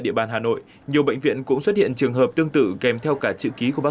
địa bàn hà nội nhiều bệnh viện cũng xuất hiện trường hợp tương tự kèm theo cả chữ ký của bác